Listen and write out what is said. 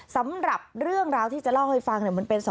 สำหรับเรื่องราวที่จะเล่าให้ฟังเนี่ยมันเป็นสองคดี